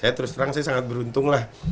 saya terus terang saya sangat beruntung lah